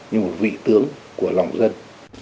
như một vị tướng của lòng dân